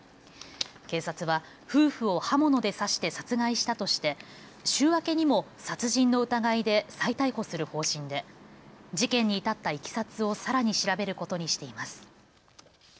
警察は夫婦を刃物で刺して殺害したとして週明けにも殺人の疑いで再逮捕する方針で事件に至ったいきさつをさらに調べることにしています。